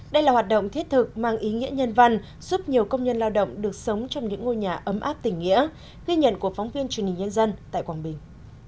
đây là hoạt động thiết thực mang ý nghĩa nhân văn giúp nhiều công nhân lao động được sống trong những ngôi nhà ấm áp tình nghĩa ghi nhận của phóng viên truyền hình nhân dân tại quảng bình